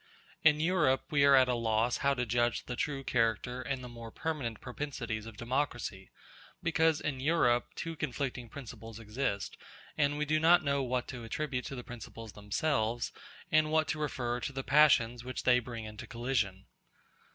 In Europe we are at a loss how to judge the true character and the more permanent propensities of democracy, because in Europe two conflicting principles exist, and we do not know what to attribute to the principles themselves, and what to refer to the passions which they bring into collision.